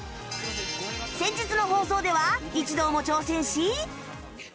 先日の放送では一同も挑戦し